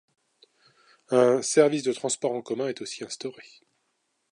Un service de transport en commun est aussi instauré.